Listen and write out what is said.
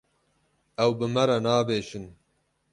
Ew bi me re nabêjin.